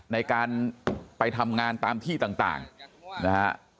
ในการไปทำงานตามที่ต่างนะฮะ